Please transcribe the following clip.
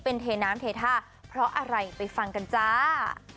เป็นเทน้ำเทท่าเพราะอะไรไปฟังกันจ้า